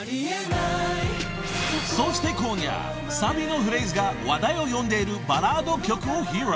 ［そして今夜サビのフレーズが話題を呼んでいるバラード曲を披露］